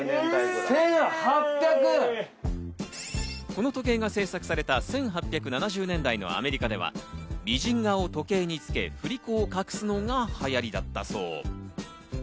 この時計が制作された１８７０年代のアメリカでは、美人画を時計につけ振り子を隠すのが流行りだったそう。